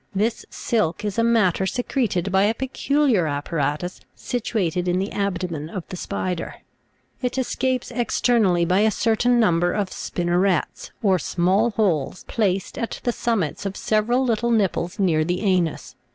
This silk is a matter secreted by a peculiar apparatus situated in the abdomen of the spider; it escapes externally by a certain number of spin nerets or small holes placed at the summits of several little nip ples near the anus (/, f g.